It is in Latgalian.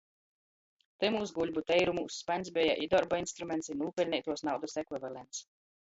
Tymūs guļbu teirumūs spaņs beja i dorba instruments, i nūpeļneituos naudys ekvivalents.